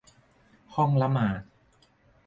ห้องละหมาด